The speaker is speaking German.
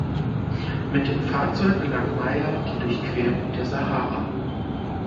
Mit dem Fahrzeug gelang Mayer die Durchquerung der Sahara.